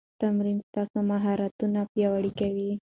تمرین ستاسو مهارتونه پیاوړي کوي.